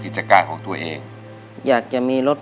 คุณจะกลับก็ได้อย่างนั้นสักครู่